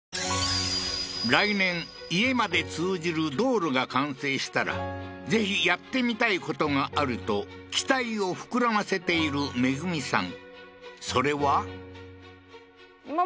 来年家まで通じる道路が完成したらぜひやってみたい事があると期待を膨らませているめぐみさん